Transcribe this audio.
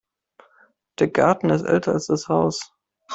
Der Garten ist älter als das Haus.